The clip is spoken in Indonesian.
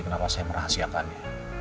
kenapa saya merahasiakannya